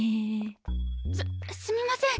すすみません。